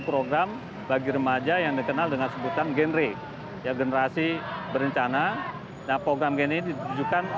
program bagi remaja yang dikenal dengan sebutan genre generasi berencana program ini ditujukan